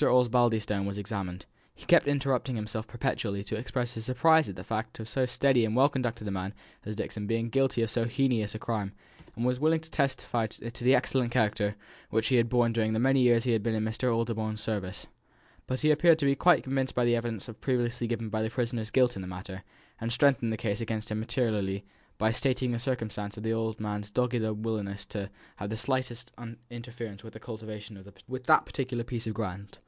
Osbaldistone was examined. He kept interrupting himself perpetually to express his surprise at the fact of so steady and well conducted a man as Dixon being guilty of so heinous a crime, and was willing enough to testify to the excellent character which he had borne during all the many years he had been in his (Mr. Osbaldistone's) service; but he appeared to be quite convinced by the evidence previously given of the prisoner's guilt in the matter, and strengthened the case against him materially by stating the circumstance of the old man's dogged unwillingness to have the slightest interference by cultivation with that particular piece of ground.